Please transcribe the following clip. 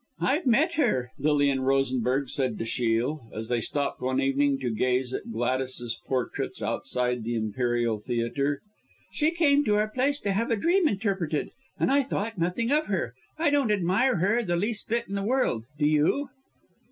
"I've met her," Lilian Rosenberg said to Shiel, as they stopped one evening to gaze at Gladys's portraits outside the Imperial Theatre. "She came to our place to have a dream interpreted, and I thought nothing of her. I don't admire her the least bit in the world, do you?"